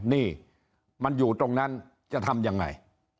นี่มันอยู่ตรงนั้นจะทำยังไง